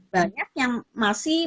banyak yang masih